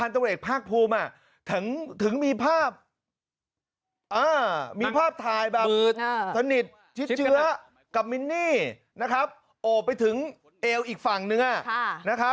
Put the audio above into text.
ถึงมีภาพถ่ายแบบสนิทชิดเจื้อกับมินนี่โอบไปถึงเอลอีกฝั่งหนึ่ง